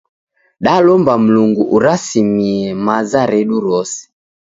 Dalomba Mlungu urasimie maza redu rose.